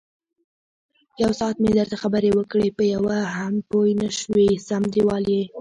یوساعت مې درته خبرې وکړې، په یوه هم پوی نشوې سم دېوال یې.